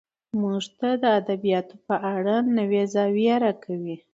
موږ ته د ادبياتو په اړه نوې زاويه راکوي